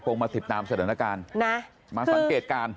มาติดตามสถานการณ์นะมาสังเกตการณ์